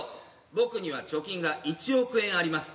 僕には貯金が１億円あります。